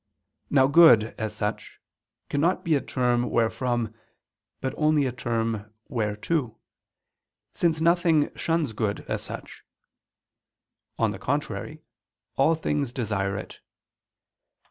Now good, as such, cannot be a term wherefrom, but only a term whereto, since nothing shuns good as such; on the contrary, all things desire it.